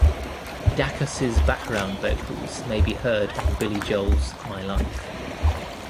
Dacus' background vocals may be heard on Billy Joel's "My Life".